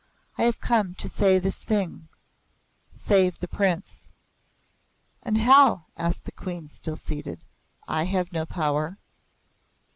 I have come to say this thing: Save the Prince." "And how?" asked the Queen, still seated. "I have no power."